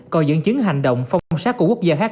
còn dẫn chứng hành động phong trinh sát của quốc gia khác